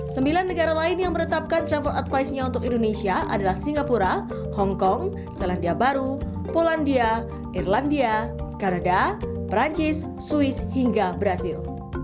sembilan negara lain yang meretapkan travel advice nya untuk indonesia adalah singapura hongkong selandia baru polandia irlandia kanada perancis swiss hingga brazil